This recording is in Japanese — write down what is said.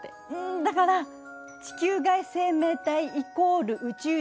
だから「地球外生命体イコール宇宙人」ではないのよ。